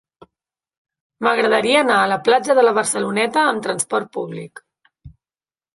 M'agradaria anar a la platja de la Barceloneta amb trasport públic.